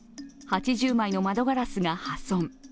８０枚の窓ガラスが破損。